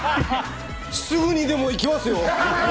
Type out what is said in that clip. すぐにでも行きますよ。